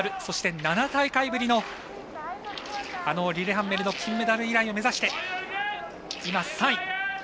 そして７大会ぶりのリレハンメルの金メダル以来を目指して今、３位。